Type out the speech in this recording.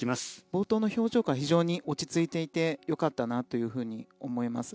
冒頭の表情が非常に落ち着いていてよかったと思います。